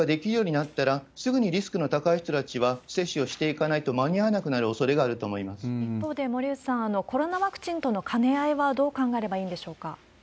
そうなると、接種ができるようになったら、すぐにリスクの高い人たちは、接種をしていかないと間に合わなくおそれがあると思いま一方で、森内さん、コロナワクチンとの兼ね合いはどう考えればいいんでしょうか？